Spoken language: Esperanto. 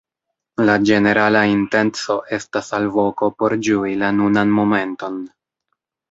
La ĝenerala intenco estas alvoko por ĝui la nunan momenton.